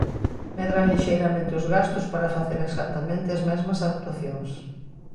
Medran lixeiramente os gastos para facer exactamente as mesmas actuacións.